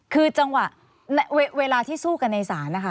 คือเวลาที่สู้กันในศาล